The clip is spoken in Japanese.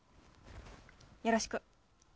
よろしく。